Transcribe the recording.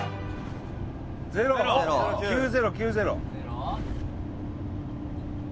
０！９０！９０！